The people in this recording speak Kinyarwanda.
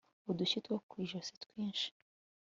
udushyi two kwijosi twinshi